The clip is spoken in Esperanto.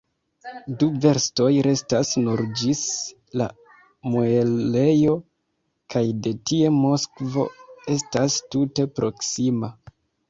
Du verstoj restas nur ĝis la muelejo, kaj de tie Moskvo estas tute proksima.